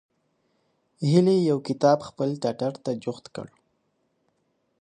هیلې یو کتاب خپل ټټر ته جوخت کړ.